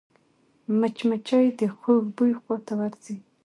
مچمچۍ د خوږ بوی خواته ورځي